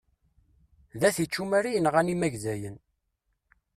D at ičumar i yenɣan imagdayen.